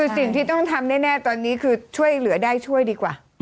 สิ่งที่ต้องทำแน่ตอนนี้คือช่วยเหลือได้ช่วยดีกว่า